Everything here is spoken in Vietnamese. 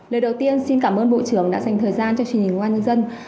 lời đầu tiên xin cảm ơn bộ trưởng đã dành thời gian cho truyền hình công an nhân dân